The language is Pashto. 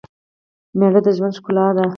مېړه دژوند ښکلا ده